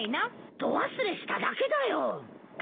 度忘れしただけだよ。